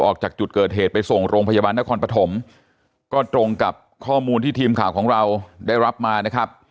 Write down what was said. ออกจากจุดเกิดเหตุไปส่งโรงพยาบาลนครปฐมก็ตรงกับข้อมูลที่ทีมข่าวของเราได้รับมานะครับ